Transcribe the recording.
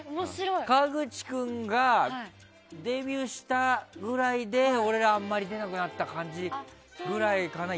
河口君がデビューしたぐらいで俺ら、あまり出なくなった感じぐらいかな。